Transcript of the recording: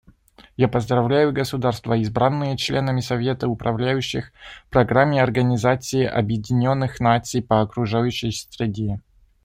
Я поздравляю государства, избранные членами Совета управляющих Программы Организации Объединенных Наций по окружающей среде.